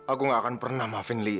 aku gak akan pernah maafin lee